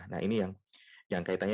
nah ini yang kaitannya